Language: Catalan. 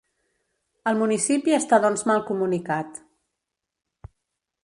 El municipi està doncs mal comunicat.